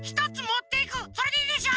それでいいでしょ？